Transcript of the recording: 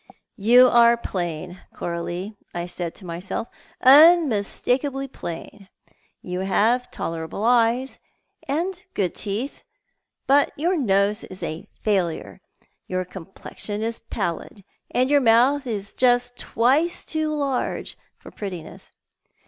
'"You are plain, Coralie,' I said to myself; 'unmistakably plain. You have tolerable eyes, and good teeth ; but your nose is a failure, your complexion is pallid, and your mouth is just twice too large for prettincss.